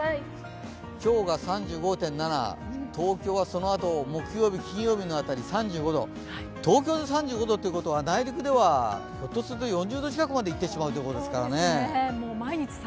今日が３５．７、東京はそのあと、木曜日、金曜日の辺り３５度、東京で３５度っていうことは内陸ではひょっとすると４０度近くいってしまうということですからね。